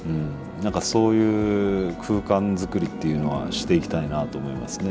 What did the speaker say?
何かそういう空間づくりっていうのはしていきたいなと思いますね。